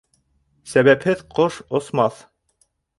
Сәбәпһеҙ ҡош осмаҫ.